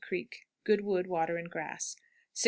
Creek. Good wood, water, and grass. 6 3/4.